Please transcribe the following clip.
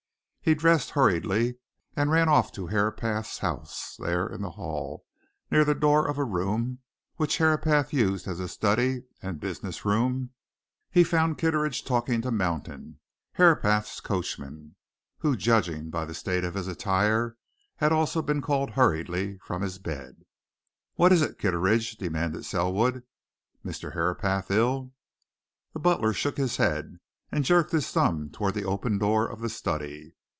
He dressed hurriedly, and ran off to Herapath's house; there in the hall, near the door of a room which Herapath used as a study and business room, he found Kitteridge talking to Mountain, Herapath's coachman, who, judging by the state of his attire, had also been called hurriedly from his bed. "What is it, Kitteridge?" demanded Selwood. "Mr. Herapath ill?" The butler shook his head and jerked his thumb towards the open door of the study.